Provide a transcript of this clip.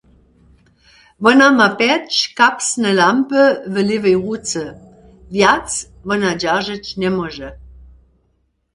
Wona ma pjeć kapsne lampy w lěwej ruce, wjac wona dźeržeć njemóže.